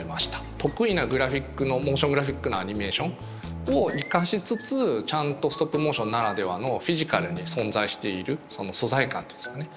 得意なグラフィックのモーショングラフィックのアニメーションを生かしつつちゃんとストップモーションならではのフィジカルに存在しているその素材感っていうんですかね。